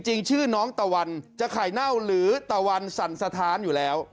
จริงชื่อน้องตะวันจะไข่เน่าหรือตะวันสั่นสถานอยู่แล้ว